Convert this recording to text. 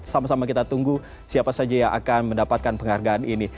sama sama kita tunggu siapa saja yang akan mendapatkan penghargaan ini